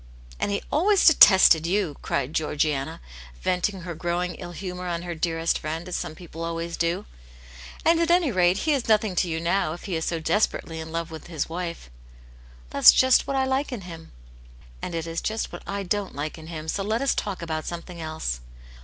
" And he always detested you!" cried Georgiana, venting her growing ill humour on her dearest friend, as some people always do. '' And, at any rate, he is nothing to you now, if he is so desperately in love' with his wife." " That's just what I like In Yumr i66 Aunt Janets Hero. '*^And it is just what I don't like in him, so let us talk about something else."